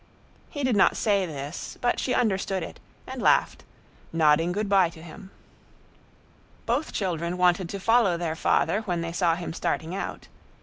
He did not say this, but she understood it, and laughed, nodding good by to him. Both children wanted to follow their father when they saw him starting out.